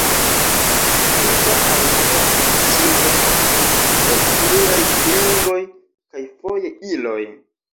Svisa Armea Tranĉilo konsistas el pluraj klingoj kaj foje iloj.